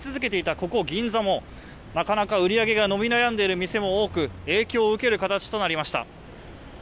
ここ銀座もなかなか売り上げが伸び悩んでいる店も多く影響を受ける形となりました。